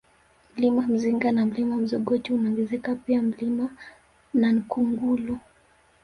Mlima Mzinga na Mlima Mzogoti unaongezeka pia Mlima Nankungulu